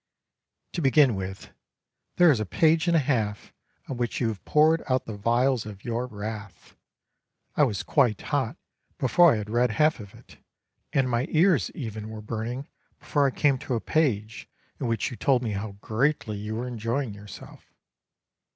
To begin with, there is a page and a half on which you have poured out the vials of your wrath. I was quite hot before I had read half of it, and my ears even were burning before I came to a page in which you told me how greatly you were enjoying yourself.